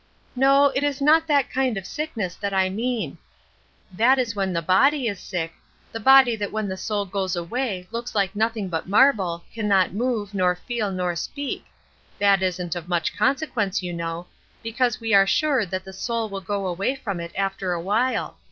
"No; it is not that kind of sickness that I mean. That is when the body is sick, the body that when the soul goes away looks like nothing but marble, can not move, nor feel, nor speak; that isn't of much consequence, you know, because we are sure that the soul will go away from it after awhile.